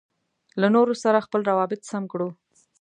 له نورو سره خپل روابط سم کړو.